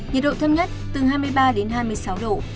nhiệt độ thấp nhất từ hai mươi ba đến hai mươi sáu độ